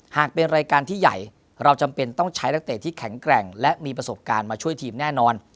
หากเป็นรายการที่ใหญ่เราจำเป็นต้องใช้นักเตะที่แข็งแกร่งและมีประสบการณ์มาช่วยทีมแน่นอน